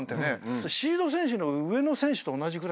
シード選手の上の選手と同じぐらい。